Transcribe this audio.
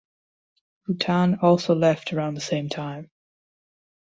Rutan also left around the same time.